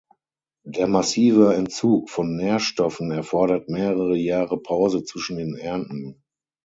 Der massive Entzug von Nährstoffen erfordert mehrere Jahre Pause zwischen den Ernten.